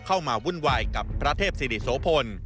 วุ่นวายกับพระเทพศิริโสพล